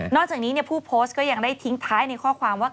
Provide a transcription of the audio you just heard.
จากนี้ผู้โพสต์ก็ยังได้ทิ้งท้ายในข้อความว่า